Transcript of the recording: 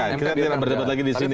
kita tidak berdebat lagi di sini